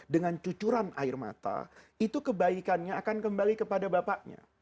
dengan cucuran air mata itu kebaikannya akan kembali kepada bapaknya